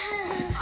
あ